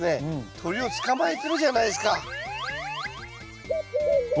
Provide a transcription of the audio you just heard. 鳥を捕まえてるじゃないですか。